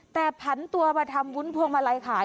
แต่ผันตัวมาทำวุ้นพวงมาลัยขาย